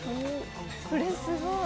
これすごい！